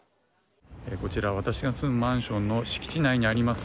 こちら私が住むマンションの敷地内にあります